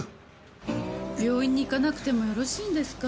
病院に行かなくてもよろしいんですか？